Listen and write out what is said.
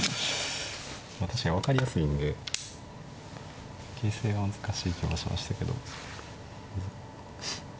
確かに分かりやすいんで形勢が難しい気もしましたけど。